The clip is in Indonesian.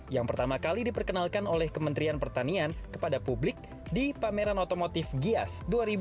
yang pertama kali diperkenalkan oleh kementerian pertanian kepada publik di pameran otomotif gias dua ribu dua puluh